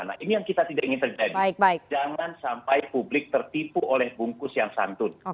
nah ini yang kita tidak ingin terjadi jangan sampai publik tertipu oleh bungkus yang santun